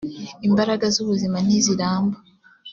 imbaraga z’ ubuzima ntiziramba.